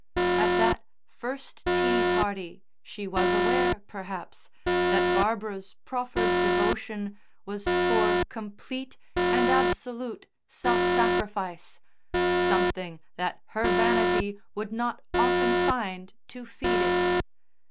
At that first tea party she was aware, perhaps, that Barbara's proffered devotion was for complete and absolute self sacrifice, something that her vanity would not often find to feed it.